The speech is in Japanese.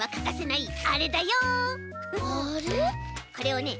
これをね